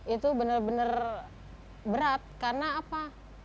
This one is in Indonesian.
itu bener bener berat karena apa